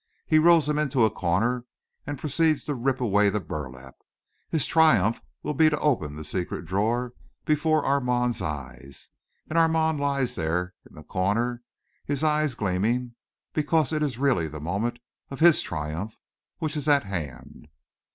He rolls him into a corner and proceeds to rip away the burlap. His triumph will be to open the secret drawer before Armand's eyes. And Armand lies there in the corner, his eyes gleaming, because it is really the moment of his triumph which is at hand!"